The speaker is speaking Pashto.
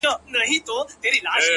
نن د پايزېب په شرنگهار راته خبري کوه-